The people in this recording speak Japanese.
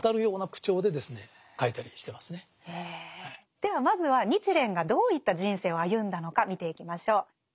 ではまずは日蓮がどういった人生を歩んだのか見ていきましょう。